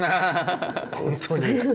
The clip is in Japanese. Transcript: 本当に。